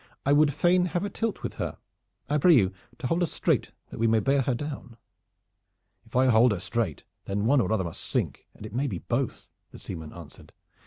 "I would fain have a tilt with her. I pray you to hold us straight that we may bear her down." "If I hold her straight, then one or other must sink, and it may be both," the seaman answered.